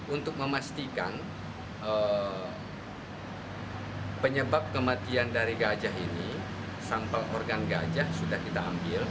untuk memastikan penyebab kematian dari gajah ini sampel organ gajah sudah kita ambil